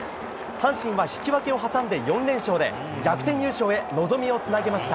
阪神は引き分けを挟んで４連勝で逆転優勝へ望みをつなぎました。